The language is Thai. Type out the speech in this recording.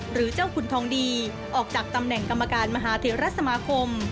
หรือเจ้าขุนทองดีออกจากตำแหน่งกรรมการมหาเทรสมาคม